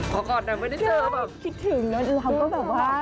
ขอกอบหน่อยไม่ได้เจอคิดถึงแล้วเราก็แบบว่า